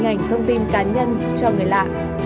người hình ảnh thông tin cá nhân cho người lạ